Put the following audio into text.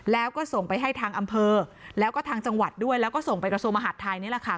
แล้วก็ส่งไปให้ทางอำเภอแล้วก็ทางจังหวัดด้วยแล้วก็ส่งไปกระทรวงมหาดไทยนี่แหละค่ะ